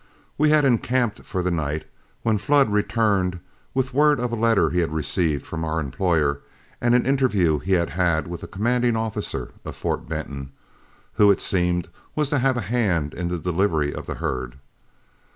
We had encamped for the night when Flood returned with word of a letter he had received from our employer and an interview he had had with the commanding officer of Fort Benton, who, it seemed, was to have a hand in the delivery of the herd.